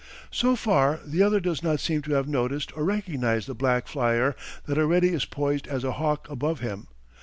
So far the other does not seem to have noticed or recognized the black flyer that already is poised as a hawk above him.